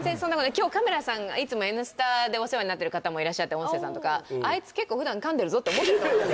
今日カメラさんがいつも「Ｎスタ」でお世話になってる方もいらっしゃって音声さんとかあいつ結構普段噛んでるぞって思ってると思います